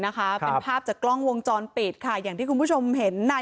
เปิดออกเปิดแล้วเลยนี่นะครับภาพจะกล้องวงจรปิดค่ะอย่างที่คุณผู้ชมเห็นนาย